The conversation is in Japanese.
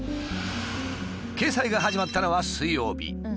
掲載が始まったのは水曜日。